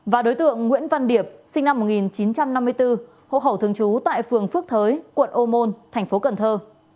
và đối tượng nguyễn văn điệp sinh năm một nghìn chín trăm năm mươi bốn hộ khẩu thường trú tại phường phước thới quận ô môn thành phố cần thơ